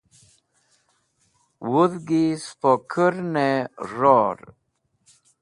wudgi spo kurn'ey ror